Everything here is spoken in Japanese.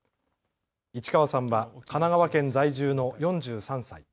市川さんは神奈川県在住の４３歳。